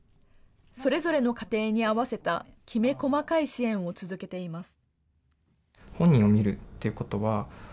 それぞれの家庭に合わせたきめ細かい支援を続けています。